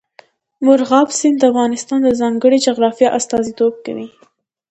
مورغاب سیند د افغانستان د ځانګړي جغرافیه استازیتوب کوي.